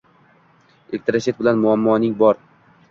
Elektroset bilan muammoing bor